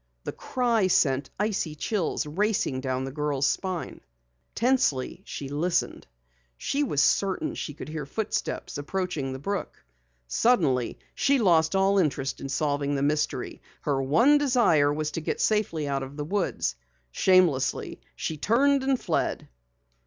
The cry sent icy chills racing down the girl's spine. Tensely she listened. She was certain she could hear footsteps approaching the brook. Suddenly she lost all interest in solving the mystery. Her one desire was to get safely out of the woods. Shamelessly, she turned and fled.